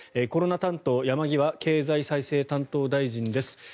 コロナ担当の山際経済再生担当大臣です。